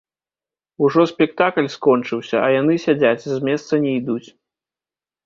Ужо спектакль скончыўся, а яны сядзяць, з месца не ідуць.